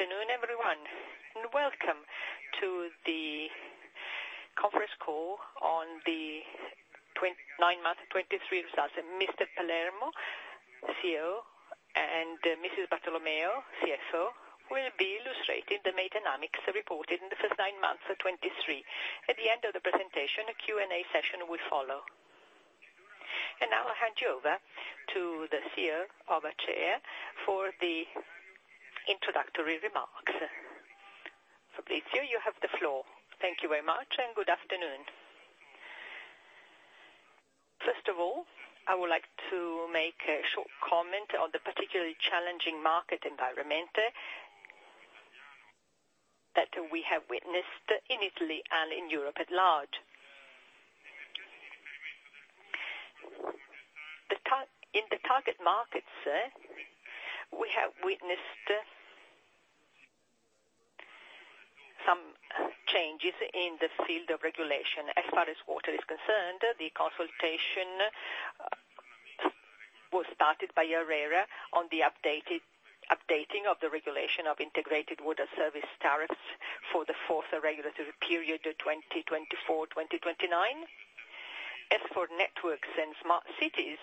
Good afternoon, everyone, and welcome to the conference call on the nine-month 2023 results. Mr. Palermo, CEO, and Mrs. Bartolomeo, CFO, will be illustrating the main dynamics reported in the first nine months of 2023. At the end of the presentation, a Q&A session will follow. Now I'll hand you over to the CEO, our chair, for the introductory remarks. So please, sir, you have the floor. Thank you very much, and good afternoon. First of all, I would like to make a short comment on the particularly challenging market environment that we have witnessed in Italy and in Europe at large. In the target markets, we have witnessed some changes in the field of regulation. As far as water is concerned, the consultation was started by ARERA on the updating of the regulation of integrated water service tariffs for the fourth regulatory period, of 2024-2029. As for networks and smart cities,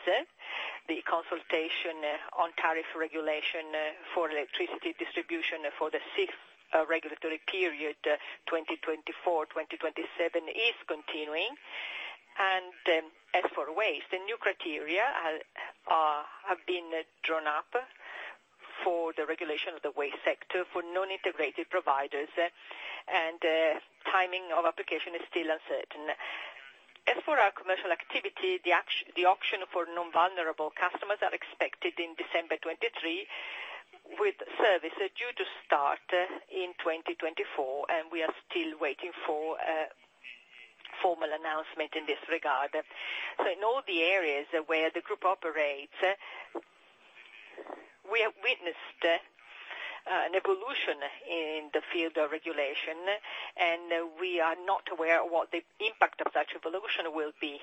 the consultation on tariff regulation for electricity distribution for the sixth regulatory period, 2024-2027, is continuing. And, as for waste, the new criteria have been drawn up for the regulation of the waste sector, for non-integrated providers, and timing of application is still uncertain. As for our commercial activity, the auction for non-vulnerable customers are expected in December 2023, with service due to start in 2024, and we are still waiting for a formal announcement in this regard. So in all the areas where the group operates, we have witnessed an evolution in the field of regulation, and we are not aware of what the impact of such evolution will be,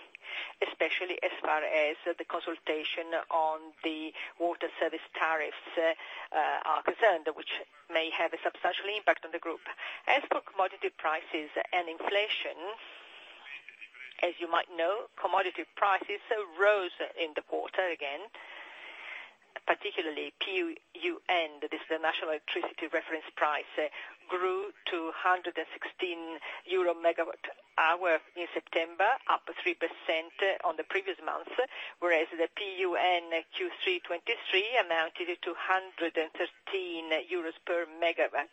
especially as far as the consultation on the water service tariffs are concerned, which may have a substantial impact on the group. As for commodity prices and inflation, as you might know, commodity prices rose in the quarter again, particularly PUN, this is the national electricity reference price, grew to 116 EUR/MWh in September, up 3% on the previous month, whereas the PUN Q3 2023 amounted to 113 EUR/MWh,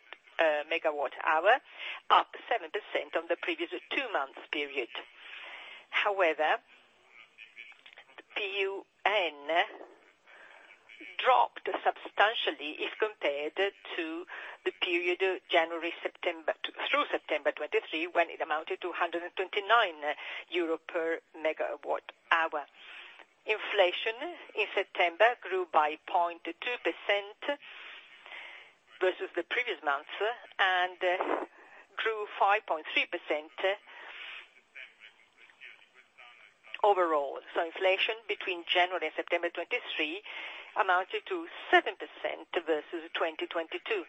up 7% on the previous two months period. However, the PUN dropped substantially if compared to the period of January through September 2023, when it amounted to 129 euro per MWh. Inflation in September grew by 0.2% versus the previous month, and grew 5.3% overall. So inflation between January and September 2023 amounted to 7% versus 2022.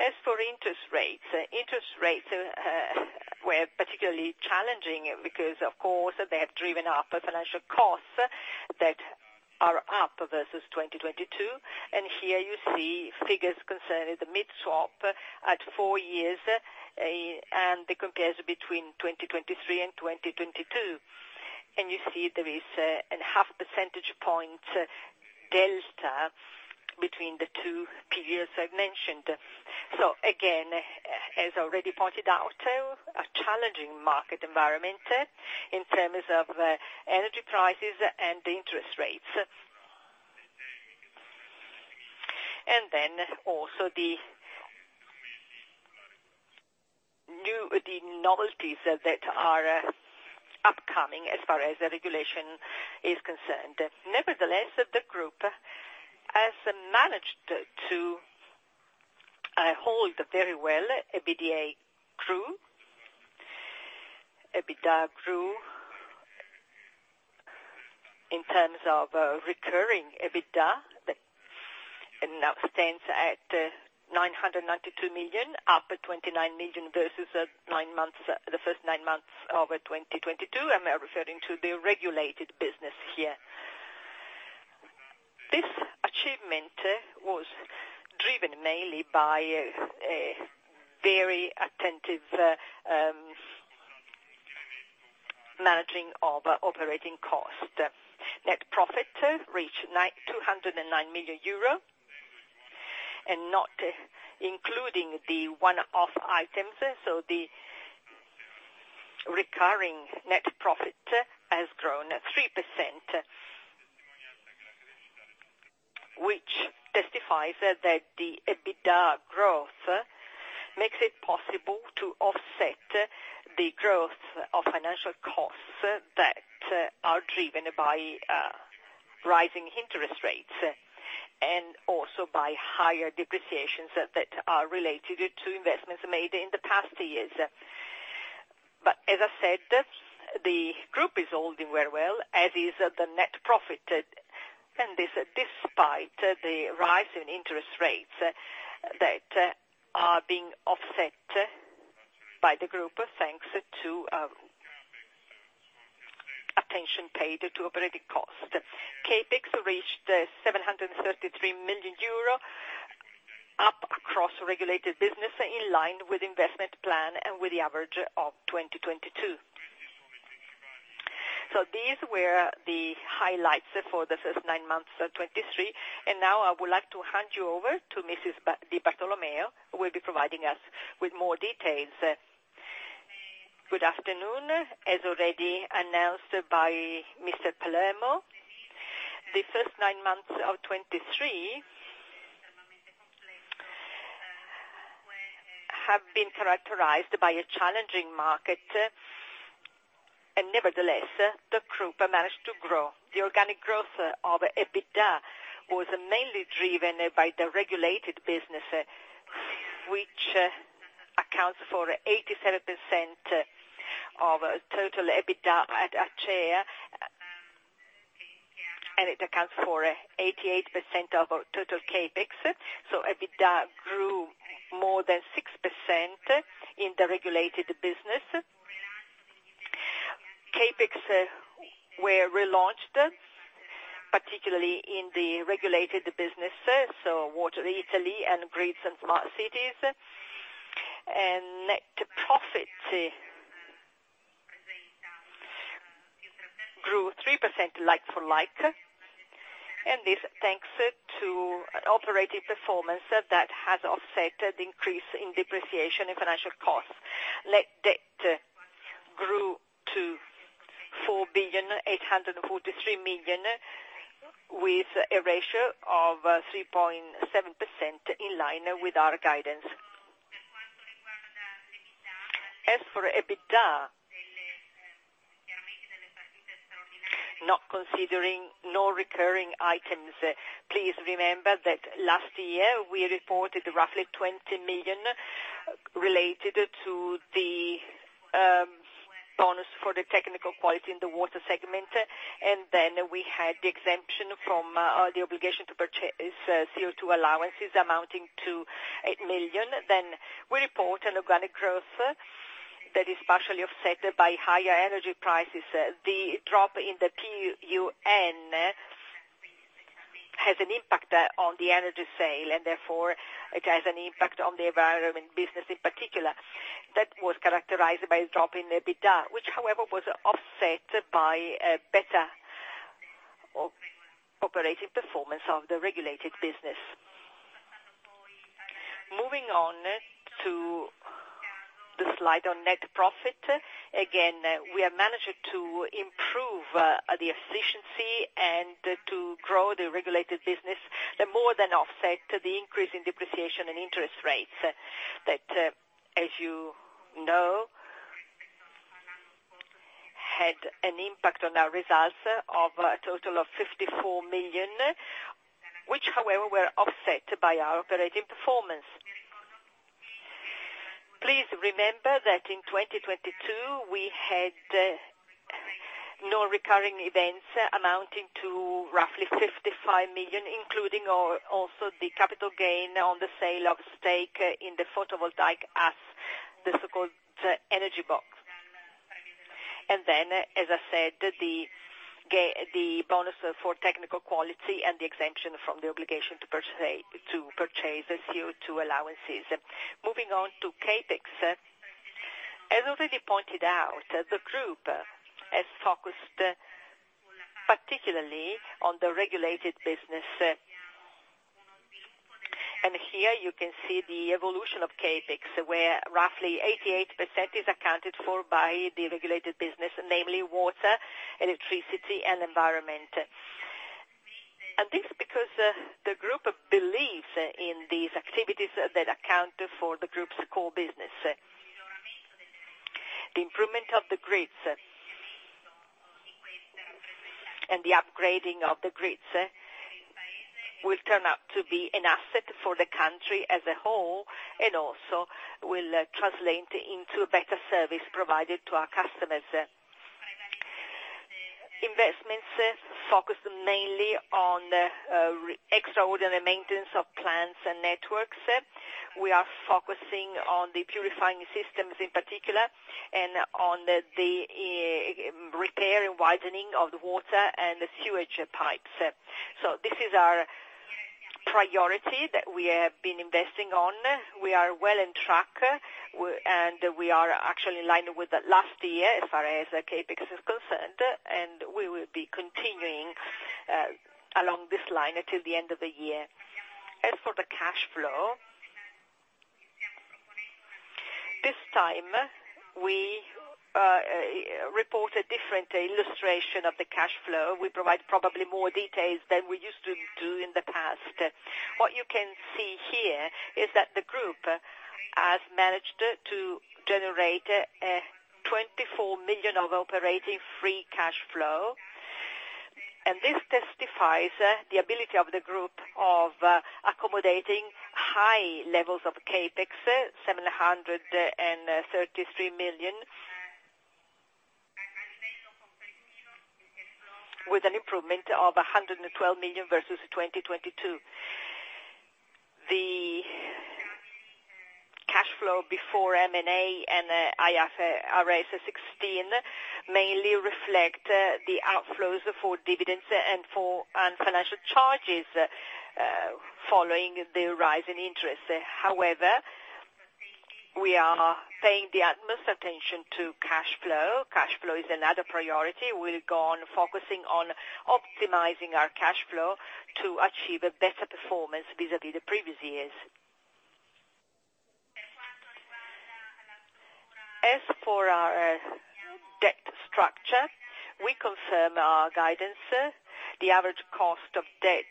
As for interest rates, interest rates were particularly challenging because, of course, they have driven up financial costs that are up versus 2022. And here you see figures concerning the mid swap at four years, and the comparison between 2023 and 2022. And you see there is a half percentage point delta between the two periods I've mentioned. So again, as already pointed out, a challenging market environment in terms of energy prices and interest rates. And then also, the novelties that are upcoming as far as the regulation is concerned. Nevertheless, the group has managed to hold very well. EBITDA grew. EBITDA grew in terms of recurring EBITDA, that now stands at 992 million, up 29 million, versus nine months, the first nine months of 2022. I'm referring to the regulated business here. This achievement was driven mainly by a very attentive managing of operating costs. Net profit reached 209 million euro, and not including the one-off items, so the recurring net profit has grown at 3%, which testifies that the EBITDA growth makes it possible to offset the growth of financial costs that are driven by rising interest rates, and also by higher depreciations that are related to investments made in the past years. As I said, the group is holding very well, as is the net profit, and this despite the rise in interest rates that are being offset by the group, thanks to attention paid to operating cost. CapEx reached 733 million euro, up across regulated business, in line with investment plan and with the average of 2022. These were the highlights for the first nine months of 2023, and now I would like to hand you over to Mrs. Di Bartolomeo, who will be providing us with more details. Good afternoon. As already announced by Mr. Palermo, the first nine months of 2023 have been characterized by a challenging market, and nevertheless, the group managed to grow. The organic growth of EBITDA was mainly driven by the regulated business, which accounts for 87% of total EBITDA at H1, and it accounts for 88% of our total CapEx. So EBITDA grew more than 6% in the regulated business. CapEx were relaunched, particularly in the regulated business, so Water Italy and Grids and Smart Cities, and net profit grew 3% like for like, and this, thanks to an operating performance that has offset the increase in depreciation and financial costs. Net debt grew to 4,843 million, with a ratio of 3.7%, in line with our guidance. As for EBITDA, not considering no recurring items, please remember that last year, we reported roughly 20 million related to the bonus for the technical quality in the water segment, and then we had the exemption from the obligation to purchase CO2 allowances amounting to 8 million. Then we report an organic growth that is partially offset by higher energy prices. The drop in the PUN has an impact on the energy sale, and therefore it has an impact on the environment business in particular. That was characterized by a drop in EBITDA, which, however, was offset by a better operating performance of the regulated business. Moving on to the slide on net profit. Again, we have managed to improve the efficiency and to grow the regulated business, that more than offset the increase in depreciation and interest rates, that, as you know, had an impact on our results of a total of 54 million, which, however, were offset by our operating performance. Please remember that in 2022, we had non-recurring events amounting to roughly 55 million, including also the capital gain on the sale of stake in the photovoltaic as the so-called Energy Box. And then, as I said, the bonus for technical quality and the exemption from the obligation to purchase the CO2 allowances. Moving on to CapEx, as already pointed out, the group has focused particularly on the regulated business. And here you can see the evolution of CapEx, where roughly 88% is accounted for by the regulated business, namely water, electricity, and environment. This is because the group believes in these activities that account for the group's core business. The improvement of the grids, and the upgrading of the grids, will turn out to be an asset for the country as a whole, and also will translate into a better service provided to our customers. Investments focused mainly on extraordinary maintenance of plants and networks. We are focusing on the purifying systems in particular, and on the repair and widening of the water and the sewage pipes. This is our priority that we have been investing on. We are well on track, and we are actually in line with the last year, as far as CapEx is concerned, and we will be continuing along this line until the end of the year. As for the cash flow, this time we report a different illustration of the cash flow. We provide probably more details than we used to do in the past. What you can see here is that the group has managed to generate 24 million of operating free cash flow. And this testifies the ability of the group of accommodating high levels of CapEx, 733 million, with an improvement of 112 million versus 2022. The cash flow before M&A and IFRS 16 mainly reflect the outflows for dividends and financial charges following the rise in interest. However, we are paying the utmost attention to cash flow. Cash flow is another priority. We'll go on focusing on optimizing our cash flow to achieve a better performance vis-à-vis the previous years. As for our debt structure, we confirm our guidance. The average cost of debt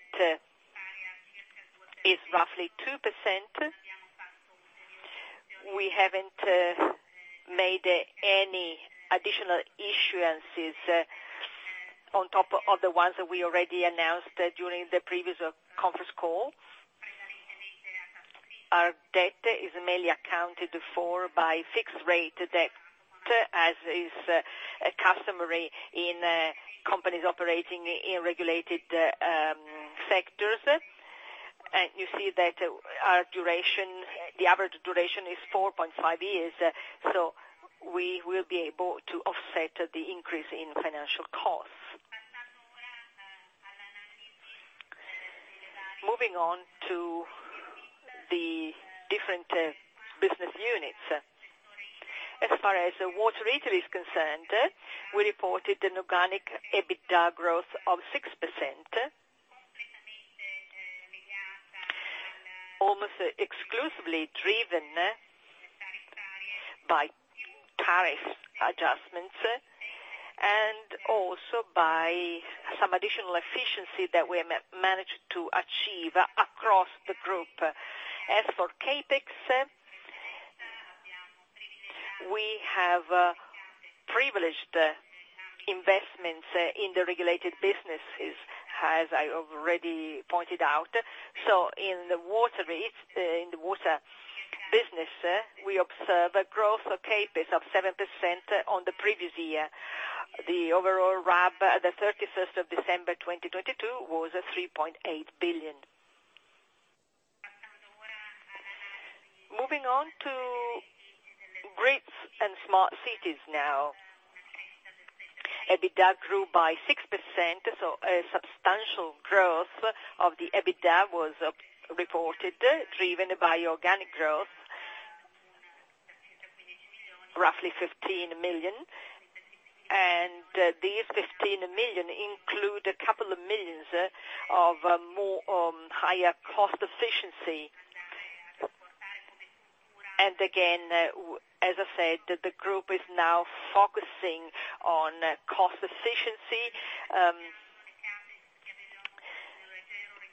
is roughly 2%. We haven't made any additional issuances on top of the ones that we already announced during the previous conference call. Our debt is mainly accounted for by fixed rate debt, as is customary in companies operating in regulated sectors. And you see that our duration, the average duration is 4.5 years, so we will be able to offset the increase in financial costs. Moving on to the different business units. As far as the Water Italy is concerned, we reported an organic EBITDA growth of 6%. Almost exclusively driven by tariff adjustments, and also by some additional efficiency that we managed to achieve across the group. As for CapEx, we have privileged investments in the regulated businesses, as I already pointed out. So in the water business, we observe a growth of CapEx of 7% on the previous year. The overall RAB at the thirty-first of December 2022 was 3.8 billion. Moving on to grids and smart cities now. EBITDA grew by 6%, so a substantial growth of the EBITDA was reported, driven by organic growth, roughly 15 million. And these 15 million include a couple of millions of higher cost efficiency. And again, as I said, the group is now focusing on cost efficiency.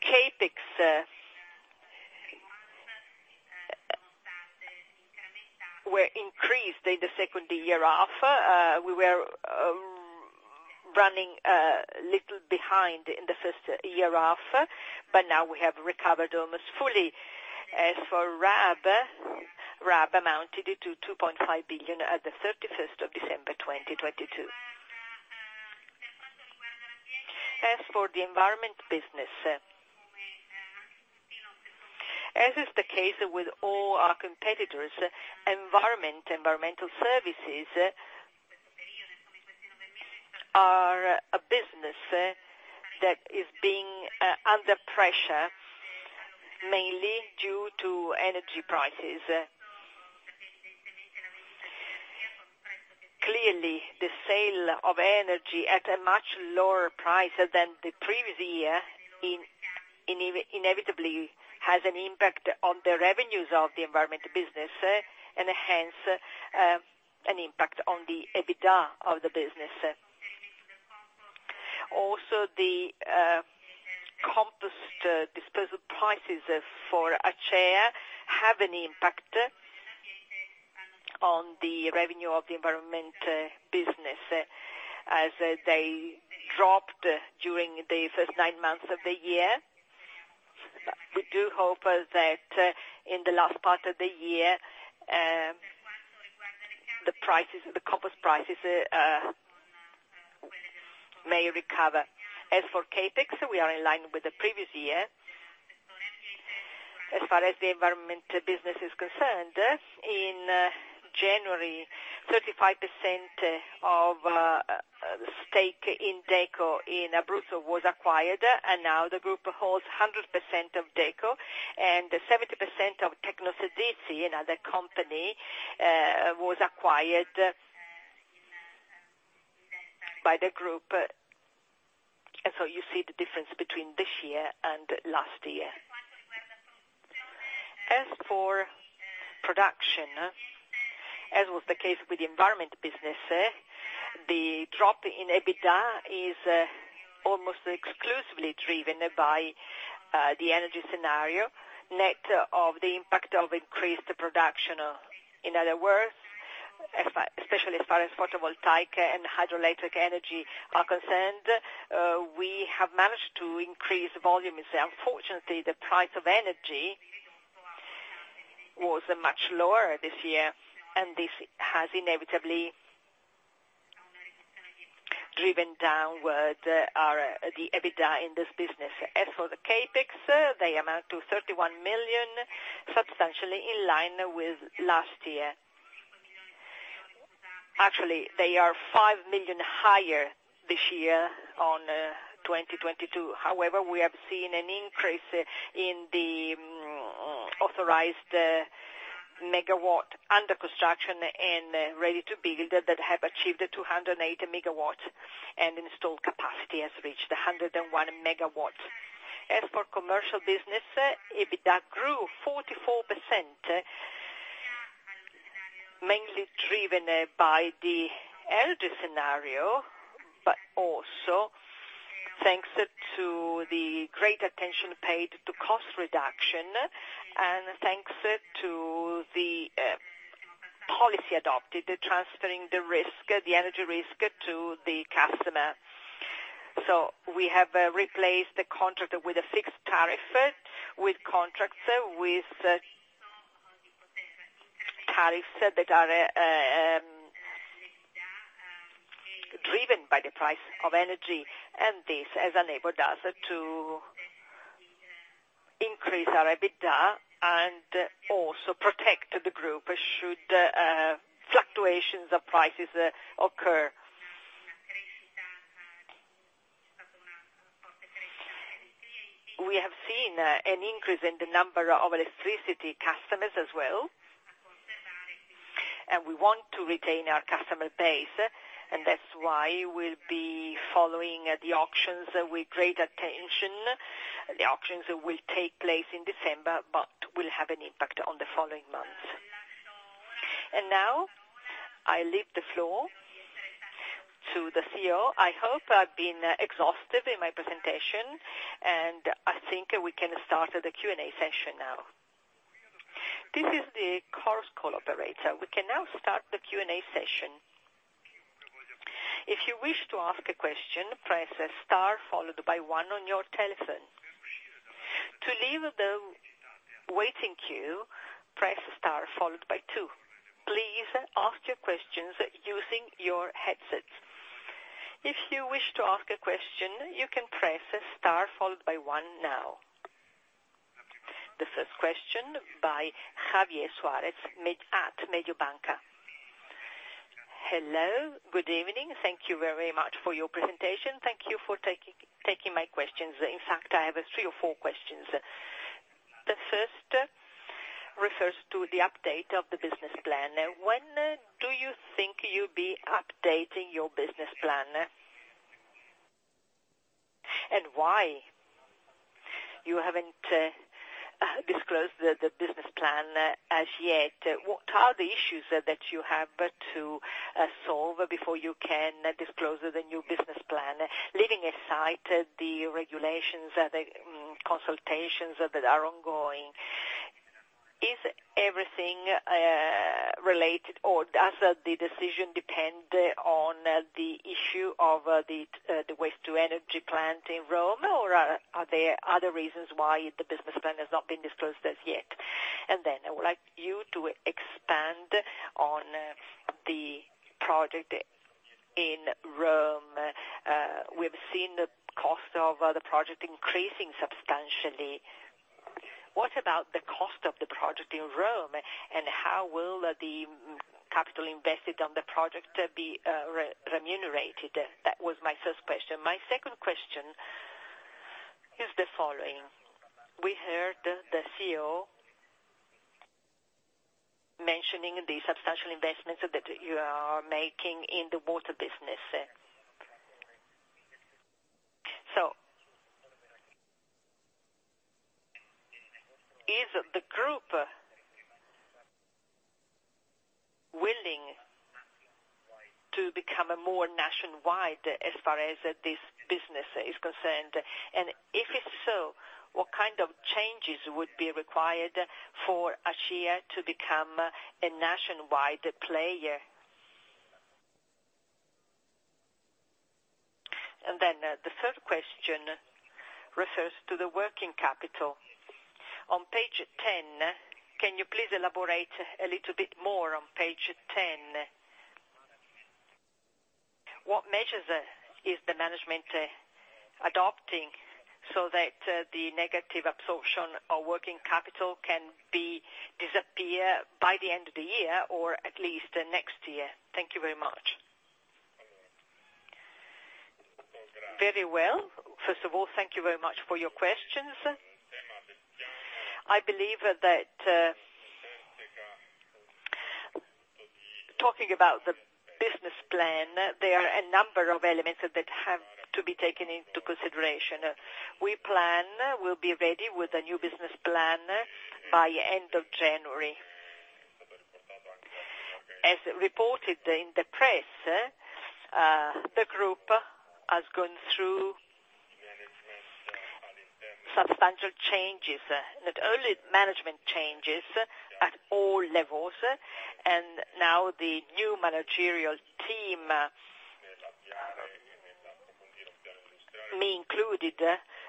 CapEx were increased in the second half of the year. We were running a little behind in the first half year, but now we have recovered almost fully. As for RAB, RAB amounted to 2.5 billion at the 31st of December, 2022. As for the environment business, as is the case with all our competitors, environment, environmental services are a business that is being under pressure, mainly due to energy prices. Clearly, the sale of energy at a much lower price than the previous year, inevitably has an impact on the revenues of the environment business, and hence, an impact on the EBITDA of the business. Also, the compost disposal prices for Acea have an impact on the revenue of the environment business, as they dropped during the first nine months of the year. We do hope that in the last part of the year, the prices, the compost prices, may recover. As for CapEx, we are in line with the previous year. As far as the environment business is concerned, in January, 35% of stake in Deco, in Abruzzo, was acquired, and now the group holds 100% of Deco, and 70% of Tecnoservizi, another company, was acquired by the group. And so you see the difference between this year and last year. As for production, as was the case with the environment business, the drop in EBITDA is almost exclusively driven by the energy scenario, net of the impact of increased production. In other words, especially as far as photovoltaic and hydroelectric energy are concerned, we have managed to increase the volumes. Unfortunately, the price of energy was much lower this year, and this has inevitably driven downward our, the EBITDA in this business. As for the CapEx, they amount to 31 million, substantially in line with last year. Actually, they are 5 million higher this year on 2022. However, we have seen an increase in the authorized megawatt under construction and ready to build, that have achieved 280 megawatts, and installed capacity has reached 101 megawatts. As for commercial business, EBITDA grew 44%, mainly driven by the LD scenario, but also thanks to the great attention paid to cost reduction, and thanks to the policy adopted, transferring the risk, the energy risk to the customer. So we have replaced the contract with a fixed tariff, with contracts with tariffs that are driven by the price of energy, and this has enabled us to increase our EBITDA and also protect the group, should fluctuations of prices occur. We have seen an increase in the number of electricity customers as well, and we want to retain our customer base, and that's why we'll be following the auctions with great attention. The auctions will take place in December, but will have an impact on the following months. And now, I leave the floor to the CEO. I hope I've been exhaustive in my presentation, and I think we can start the Q&A session now. This is the conference call operator. We can now start the Q&A session. If you wish to ask a question, press star followed by one on your telephone. To leave the waiting queue, press star followed by two. Please ask your questions using your headsets. If you wish to ask a question, you can press star followed by one now. The first question by Javier Suarez at Mediobanca. Hello, good evening. Thank you very much for your presentation. Thank you for taking my questions. In fact, I have three or four questions. The first refers to the update of the business plan. When, do you think you'll be updating your business plan? And why you haven't, disclosed the business plan as yet? What are the issues that you have to solve before you can disclose the new business plan, leaving aside the regulations and the consultations that are ongoing, is everything related, or does the decision depend on the issue of the waste to energy plant in Rome, or are there other reasons why the business plan has not been disclosed as yet? And then I would like you to expand on the project in Rome. We've seen the cost of the project increasing substantially. What about the cost of the project in Rome, and how will the capital invested on the project be remunerated? That was my first question. My second question is the following: we heard the CEO mentioning the substantial investments that you are making in the water business. So, is the group willing to become more nationwide as far as this business is concerned? And if it's so, what kind of changes would be required for Acea to become a nationwide player? And then the third question refers to the working capital. On page ten, can you please elaborate a little bit more on page ten? What measures is the management adopting so that the negative absorption of working capital can be disappear by the end of the year, or at least next year? Thank you very much. Very well. First of all, thank you very much for your questions. I believe that, talking about the business plan, there are a number of elements that have to be taken into consideration. We plan, we'll be ready with a new business plan by end of January. As reported in the press, the group has gone through substantial changes, not only management changes at all levels, and now the new managerial team, me included,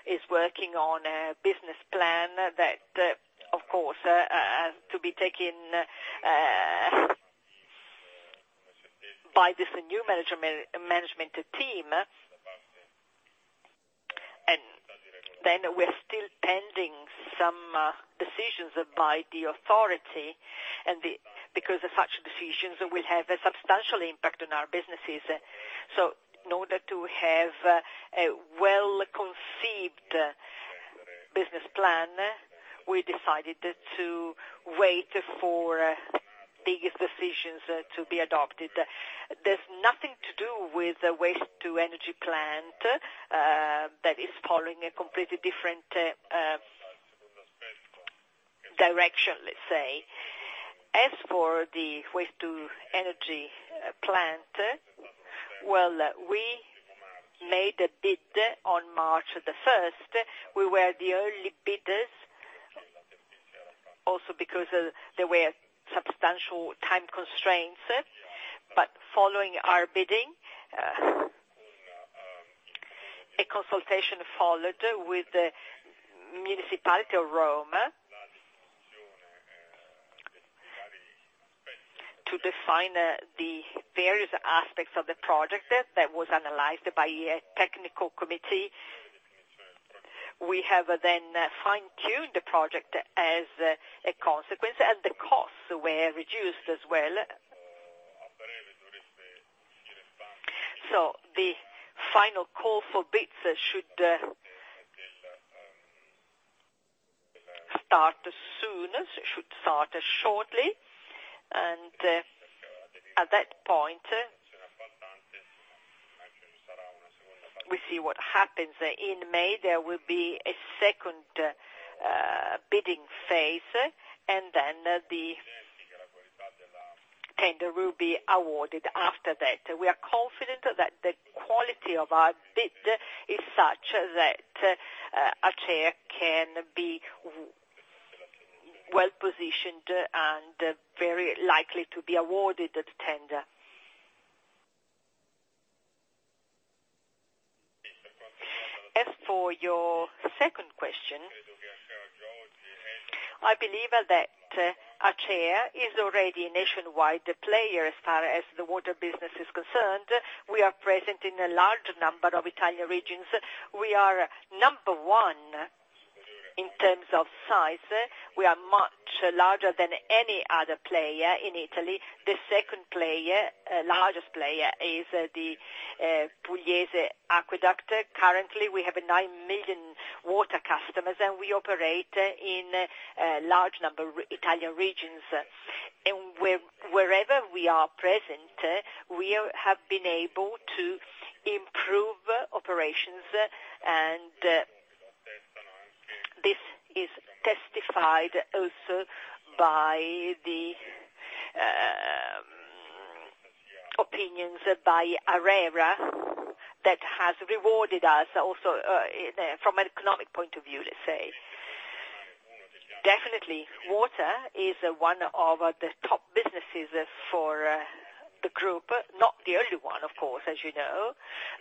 is working on a business plan that, of course, has to be taken by this new management team. And then we're still pending some decisions by the authority, because such decisions will have a substantial impact on our businesses. So in order to have a well-conceived business plan, we decided to wait for these decisions to be adopted. There's nothing to do with the waste-to-energy plant that is following a completely different direction, let's say. As for the waste-to-energy plant, well, we made a bid on March the first. We were the only bidders, also because there were substantial time constraints. But following our bidding, a consultation followed with the municipality of Rome, to define the various aspects of the project that was analyzed by a technical committee. We have then fine-tuned the project as a consequence, and the costs were reduced as well. So the final call for bids should start soon, should start shortly. And at that point, we see what happens. In May, there will be a second bidding phase, and then the tender will be awarded after that. We are confident that the quality of our bid is such that Acea can be well positioned and very likely to be awarded the tender. As for your second question, I believe that Acea is already a nationwide player as far as the water business is concerned. We are present in a large number of Italian regions. We are number one in terms of size. We are much larger than any other player in Italy. The second largest player is the Acquedotto Pugliese. Currently, we have nine million water customers, and we operate in a large number of Italian regions. Wherever we are present, we have been able to improve operations, and this is testified also by the opinions by ARERA, that has rewarded us also from an economic point of view, let's say. Definitely, water is one of the top businesses for the group. Not the only one, of course, as you know.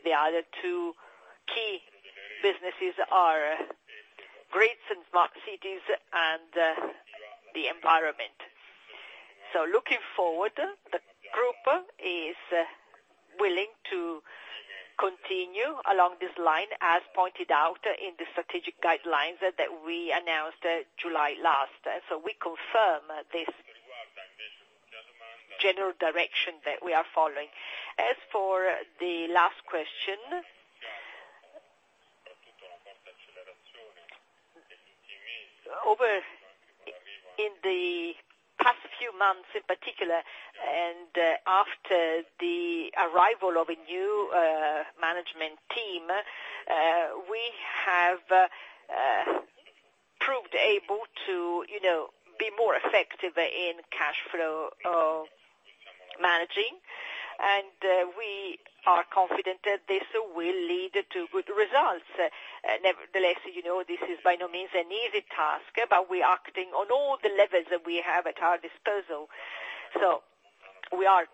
The other two key businesses are energy and smart cities and the environment. So looking forward, the group is willing to continue along this line, as pointed out in the strategic guidelines that we announced July last. So we confirm this general direction that we are following. As for the last question, over the past few months, in particular, and after the arrival of a new management team, we have proved able to, you know, be more effective in cash flow managing, and we are confident that this will lead to good results. Nevertheless, you know, this is by no means an easy task, but we are acting on all the levels that we have at our disposal. So we are.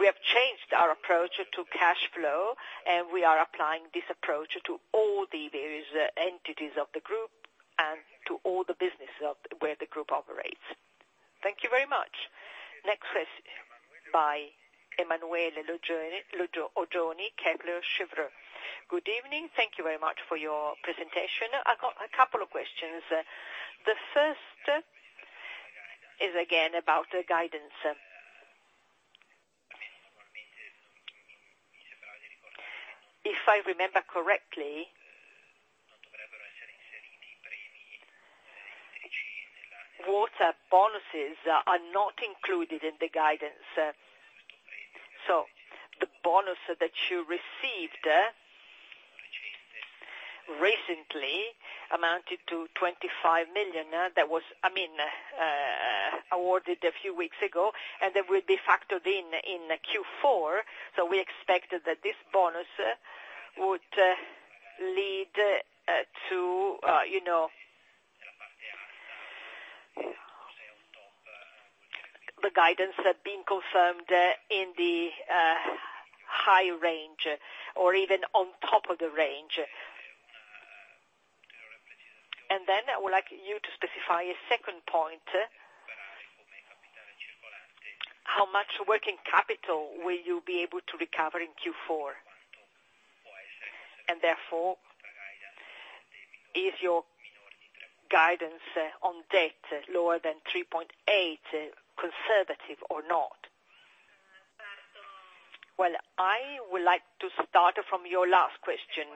We have changed our approach to cash flow, and we are applying this approach to all the various entities of the group and to all the businesses of where the group operates. Thank you very much. Next is by Emanuele Oggioni, Kepler Cheuvreux. Good evening. Thank you very much for your presentation. I've got a couple of questions. The first is, again, about the guidance. If I remember correctly, water bonuses are not included in the guidance. So the bonus that you received recently amounted to 25 million. That was, I mean, awarded a few weeks ago, and they will be factored in, in Q4, so we expected that this bonus would lead to, you know, the guidance being confirmed in the high range or even on top of the range. And then I would like you to specify a second point. How much working capital will you be able to recover in Q4? And therefore, is your guidance on debt lower than 3.8, conservative or not? Well, I would like to start from your last question.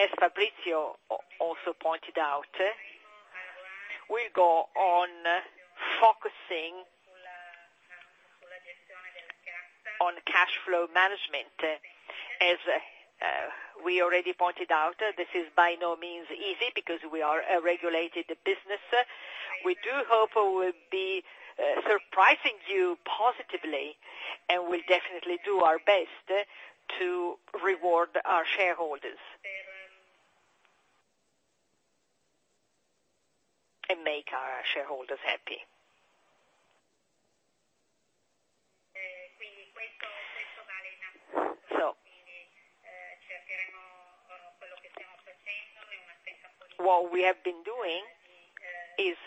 As Fabrizio also pointed out, we go on focusing on cash flow management. As we already pointed out, this is by no means easy because we are a regulated business. We do hope we will be surprising you positively, and we'll definitely do our best to reward our shareholders. And make our shareholders happy. So, what we have been doing is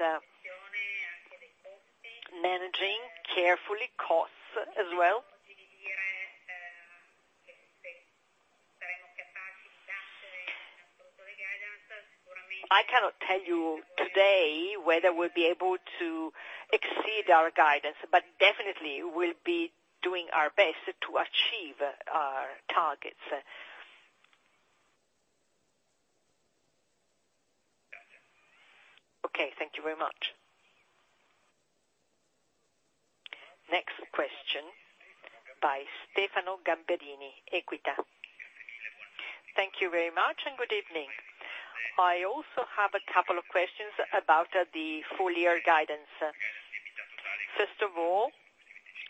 managing carefully costs as well. I cannot tell you today whether we'll be able to exceed our guidance, but definitely we'll be doing our best to achieve our targets. Okay, thank you very much. Next question by Stefano Gamberini, Equita. Thank you very much, and good evening. I also have a couple of questions about the full year guidance. First of all,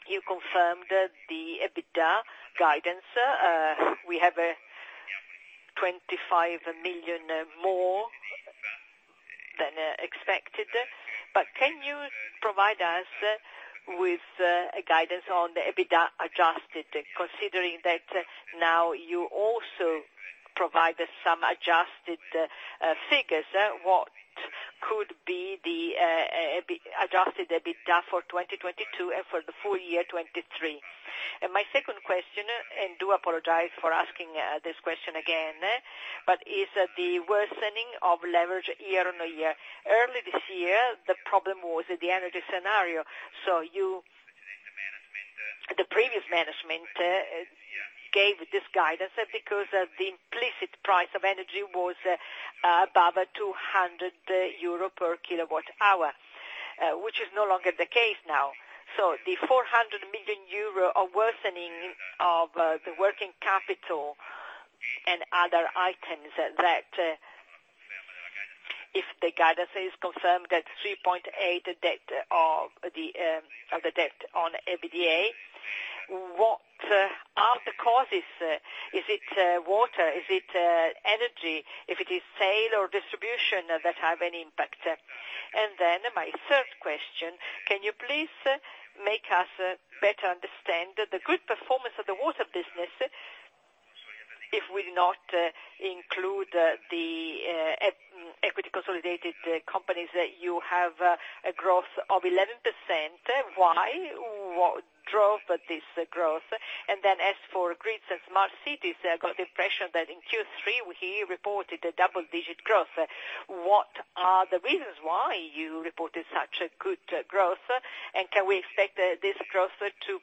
you confirmed the EBITDA guidance. We have a 25 million more than expected. But can you provide us with a guidance on the EBITDA adjusted, considering that now you also provided some adjusted figures, what could be the EB- adjusted EBITDA for 2022 and for the full year 2023? And my second question, and do apologize for asking this question again, but is the worsening of leverage year-over-year. Early this year, the problem was the energy scenario, so you, the previous management, gave this guidance, because the implicit price of energy was above 200 euro per kWh, which is no longer the case now. So the 400 million euro of worsening of the working capital and other items that, if the guidance is confirmed, that 3.8 debt of the, of the debt on EBITDA, what are the causes? Is it water? Is it energy? If it is sale or distribution that have any impact? And then my third question, can you please make us better understand the good performance of the water business, if we not include the equity consolidated companies that you have a growth of 11%, why? What drove this growth? And then as for grids and smart cities, I got the impression that in Q3, we reported a double-digit growth. What are the reasons why you reported such a good growth? And can we expect this growth to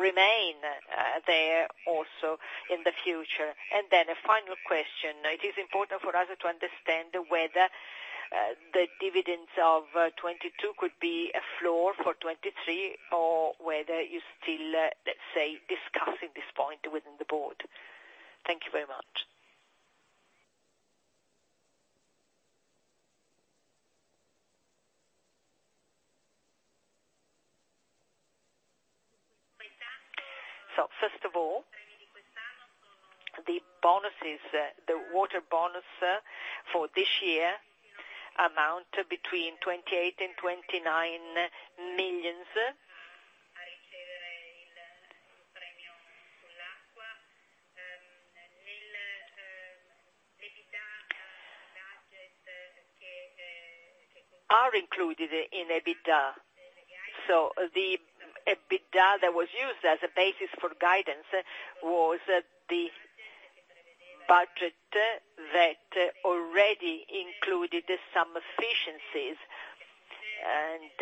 remain there also in the future? And then a final question, it is important for us to understand whether the dividends of 2022 could be a floor for 2023, or whether you still, let's say, discussing this point within the board. Thank you very much. So first of all, the bonuses, the water bonus for this year amount between 28 million and 29 million, are included in EBITDA. So the EBITDA that was used as a basis for guidance was the budget that already included some efficiencies, and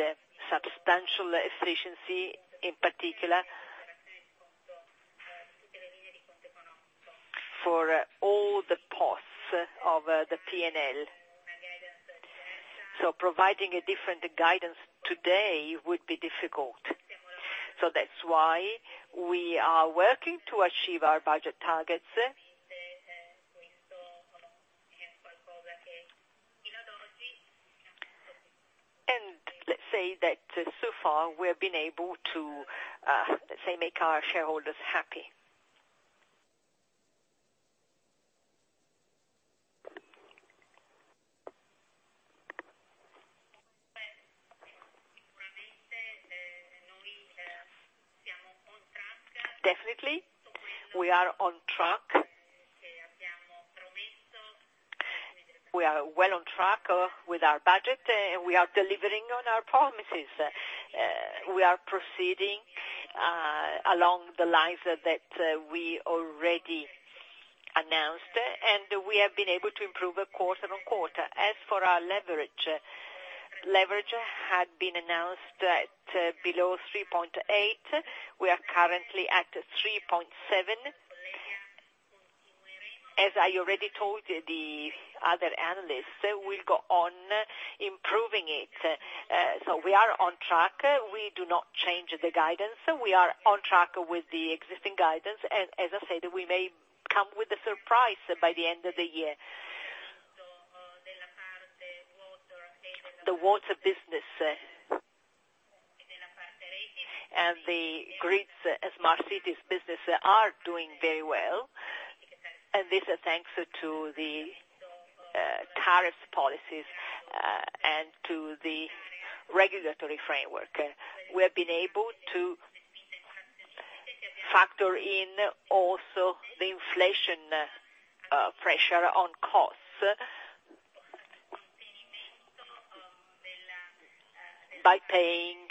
substantial efficiency, in particular, for all the costs of the P&L. So providing a different guidance today would be difficult. So that's why we are working to achieve our budget targets. Let's say that so far, we have been able to, let's say, make our shareholders happy. Definitely, we are on track. We are well on track with our budget, and we are delivering on our promises. We are proceeding along the lines that we already announced, and we have been able to improve quarter-on-quarter. As for our leverage, leverage had been announced at below 3.8. We are currently at 3.7. As I already told the other analysts, we'll go on improving it. So we are on track. We do not change the guidance. We are on track with the existing guidance. And as I said, we may come with a surprise by the end of the year. The water business and the grids as smart cities business are doing very well, and this is thanks to the tariff policies and to the regulatory framework. We have been able to factor in also the inflation pressure on costs, by paying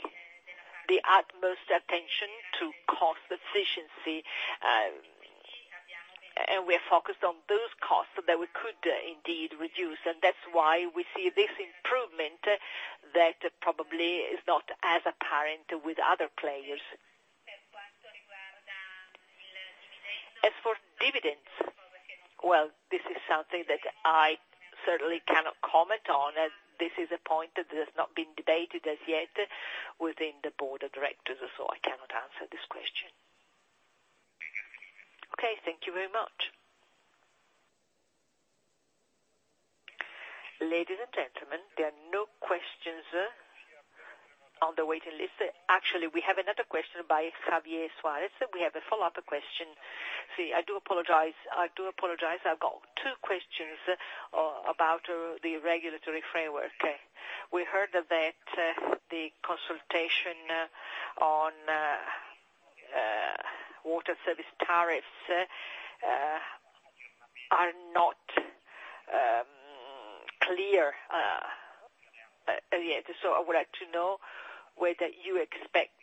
the utmost attention to cost efficiency. And we are focused on those costs that we could indeed reduce, and that's why we see this improvement that probably is not as apparent with other players. As for dividends, well, this is something that I certainly cannot comment on, as this is a point that has not been debated as yet within the board of directors, so I cannot answer this question. Okay, thank you very much. Ladies and gentlemen, there are no questions on the waiting list. Actually, we have another question by Javier Suarez. We have a follow-up question. See, I do apologize. I do apologize. I've got two questions about the regulatory framework. We heard that the consultation on water service tariffs are not clear yet. So I would like to know whether you expect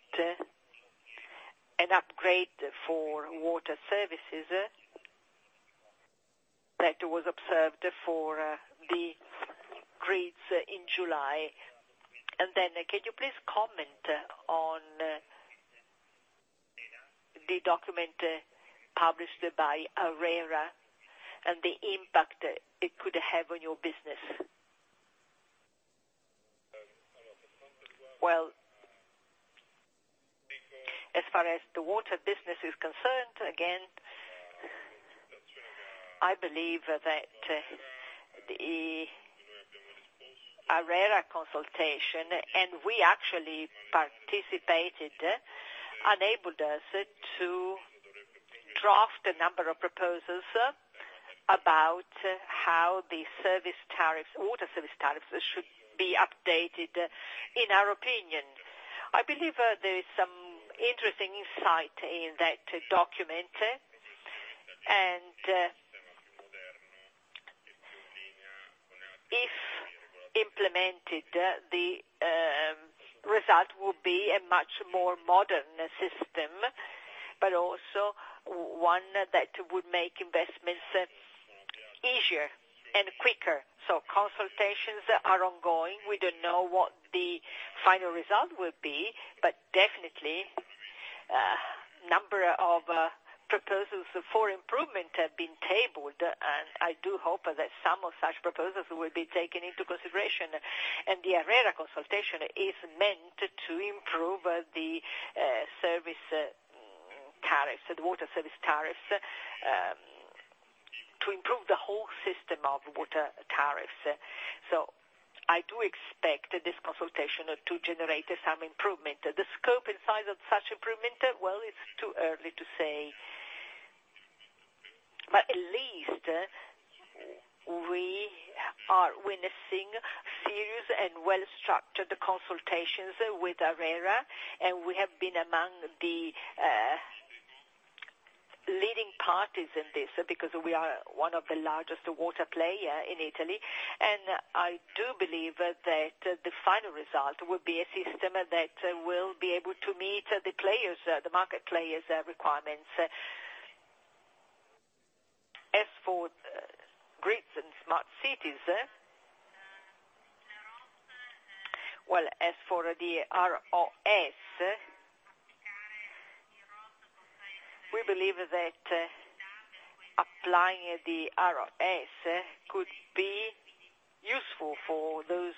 an upgrade for water services that was observed for the grids in July. And then can you please comment on the document published by ARERA and the impact it could have on your business? Well, as far as the water business is concerned, again, I believe that the ARERA consultation, and we actually participated, enabled us to draft a number of proposals about how the service tariffs, water service tariffs, should be updated in our opinion. I believe there is some interesting insight in that document, and, if implemented, the result will be a much more modern system, but also one that would make investments easier and quicker. So consultations are ongoing. We don't know what the final result will be, but definitely, a number of proposals for improvement have been tabled. And I do hope that some of such proposals will be taken into consideration. And the ARERA consultation is meant to improve the service tariffs, the water service tariffs, to improve the whole system of water tariffs. So I do expect this consultation to generate some improvement. The scope and size of such improvement, well, it's too early to say. But at least we are witnessing serious and well-structured consultations with ARERA, and we have been among the leading parties in this, because we are one of the largest water player in Italy. And I do believe that the final result will be a system that will be able to meet the players, the market players' requirements. As for Grids and Smart Cities. Well, as for the ROSS. We believe that applying the ROSS could be useful for those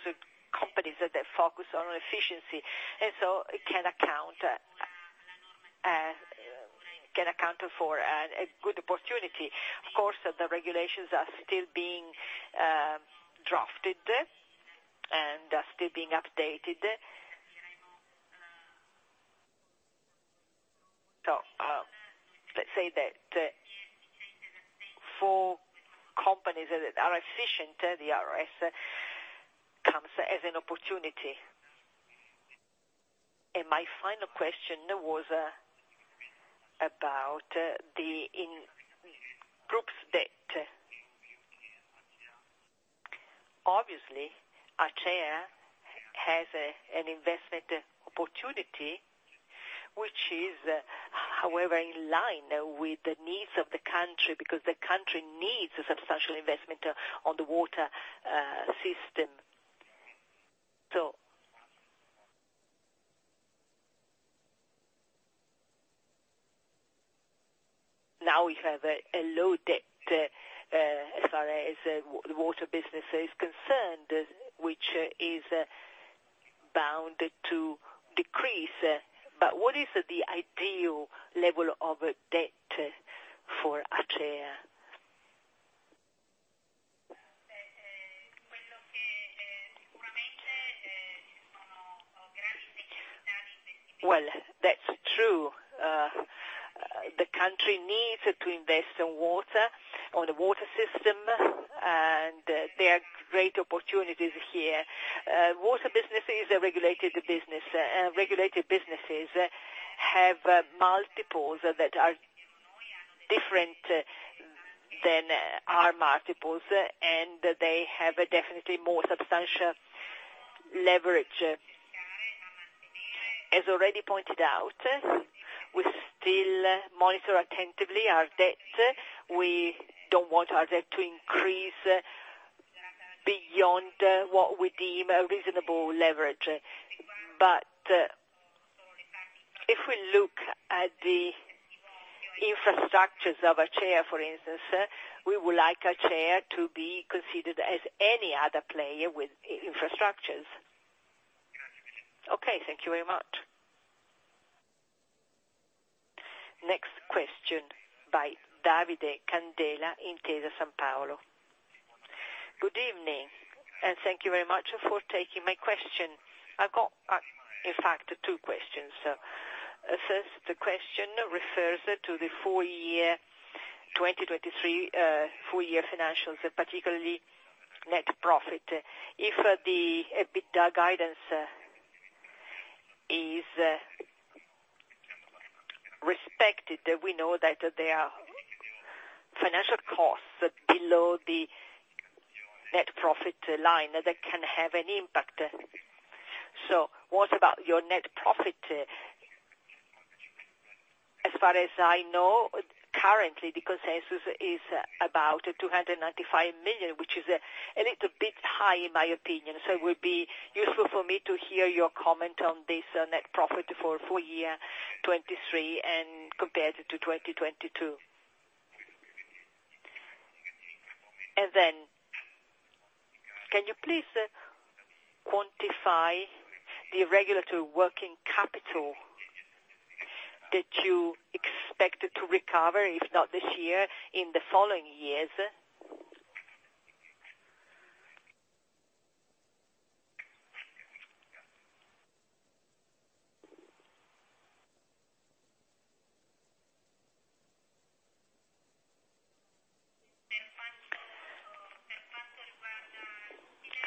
companies that are focused on efficiency, and so it can account for a good opportunity. Of course, the regulations are still being drafted, and are still being updated. So, let's say that for companies that are efficient, the ROSS comes as an opportunity. My final question was about the group's debt. Obviously, Acea has an investment opportunity, which is, however, in line with the needs of the country, because the country needs a substantial investment on the water system. So now we have a low debt as far as the water business is concerned, which is bound to decrease. But what is the ideal level of debt for Acea? Well, that's true. The country needs to invest in water, on the water system, and there are great opportunities here. Water business is a regulated business, and regulated businesses have multiples that are different than our multiples, and they have a definitely more substantial leverage. As already pointed out, we still monitor attentively our debt. We don't want our debt to increase beyond what we deem a reasonable leverage. But, if we look at the infrastructures of Acea, for instance, we would like Acea to be considered as any other player with infrastructures. Okay, thank you very much. Next question by Davide Candela, Intesa Sanpaolo. Good evening, and thank you very much for taking my question. I've got, in fact, two questions. First, the question refers to the full year 2023, full year financials, particularly net profit. If the EBITDA guidance, is, respected, we know that there are financial costs below the net profit line that can have an impact. So what about your net profit? As far as I know, currently, the consensus is about 295 million, which is a little bit high, in my opinion, so it would be useful for me to hear your comment on this net profit for full year 2023 and compared to 2022. And then, can you please quantify the regulatory working capital that you expected to recover, if not this year, in the following years?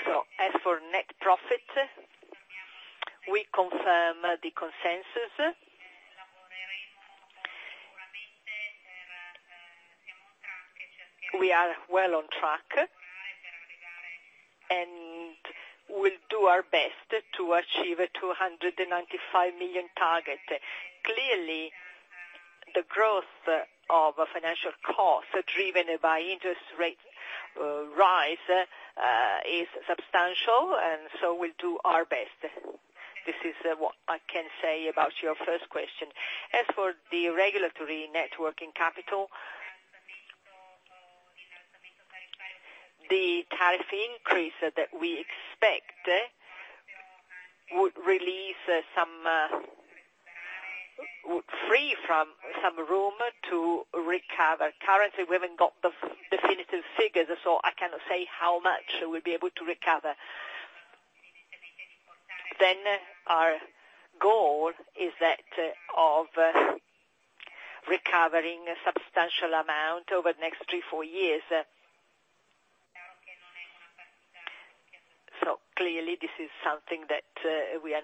So as for net profit, we confirm the consensus. We are well on track, and we'll do our best to achieve a 295 million target. Clearly, the growth of financial costs driven by interest rate rise is substantial, and so we'll do our best. This is what I can say about your first question. As for the regulatory net working capital, the tariff increase that we expect would release some would free from some room to recover. Currently, we haven't got the definitive figures, so I cannot say how much we'll be able to recover. Then our goal is that of recovering a substantial amount over the next three, four years. So clearly this is something that we are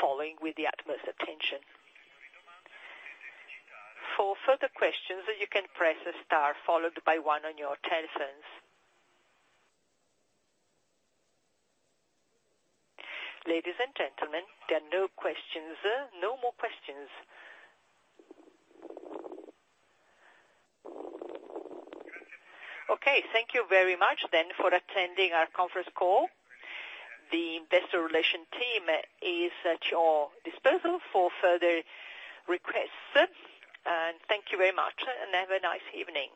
following with the utmost attention. For further questions, you can press star followed by one on your telephones. Ladies and gentlemen, there are no questions, no more questions. Okay, thank you very much then for attending our conference call. The investor relation team is at your disposal for further requests. And thank you very much, and have a nice evening.